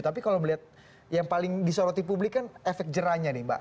tapi kalau melihat yang paling disoroti publik kan efek jerahnya nih mbak